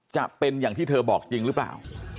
จะเป็นอย่างที่เธอบอกจริงหรือเปล่า